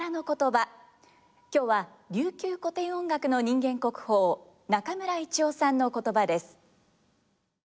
今日は琉球古典音楽の人間国宝中村一雄さんのことばです。